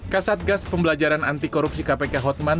kasatgas pembelajaran antikorupsi kpk hotman